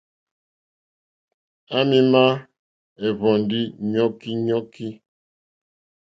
À mì má ɛ̀hwɔ̀ndí nɔ́kínɔ́kí.